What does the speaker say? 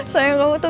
sayang kamu tuh